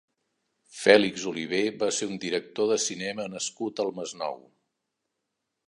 Fèlix Oliver va ser un director de cinema nascut al Masnou.